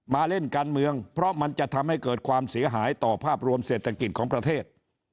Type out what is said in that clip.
มาเล่นการเมืองเพราะมันจะทำให้เกิดความเสียหายต่อภาพรวมเศรษฐกิจของประเทศ